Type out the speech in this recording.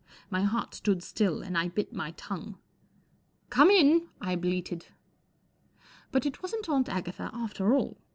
My heart stood still, and I bit my tongue. 44 Come in/ 1 I bleated. But it wasn't Aunt Agatha after all.